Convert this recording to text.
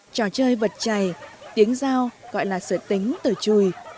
trò chơi vật chày tiếng dao gọi là sở tính tờ chùi